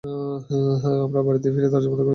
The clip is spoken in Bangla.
আমরা বাড়িতে ফিরে দরজা বন্ধ করে দেব।